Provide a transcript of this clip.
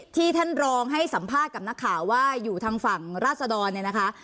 ท่านรองให้สัมภาษณ์กับนักข่าวว่าอยู่ทางฝั่งราศดรเนี่ยนะคะ